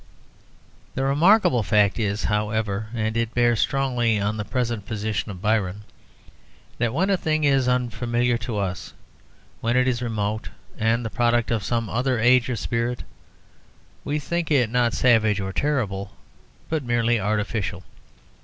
The remarkable fact is, however, and it bears strongly on the present position of Byron, that when a thing is unfamiliar to us, when it is remote and the product of some other age or spirit, we think it not savage or terrible, but merely artificial.